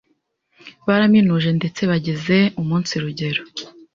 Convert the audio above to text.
baraminuje ndetse bageze umunsi rugero